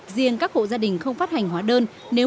riêng các hộ gia đình không phát hành hóa đơn